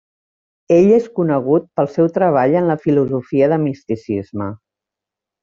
Ell és conegut pel seu treball en la filosofia de misticisme.